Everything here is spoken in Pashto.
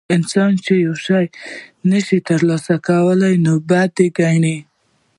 انسان چې یو شی نشي ترلاسه کولی نو بد یې ګڼي.